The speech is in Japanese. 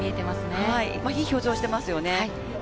いい表情をしていますよね。